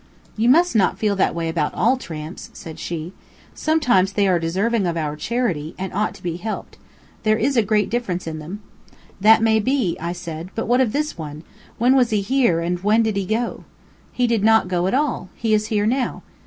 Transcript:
"You must not feel that way about all tramps," said she. "Sometimes they are deserving of our charity, and ought to be helped. There is a great difference in them." "That may be," I said; "but what of this one? When was he here, and when did he go?" "He did not go at all. He is here now."